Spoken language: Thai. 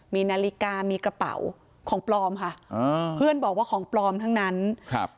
มีนาฬิกามีกระเป๋าของปลอมค่ะอ่าเพื่อนบอกว่าของปลอมทั้งนั้นครับ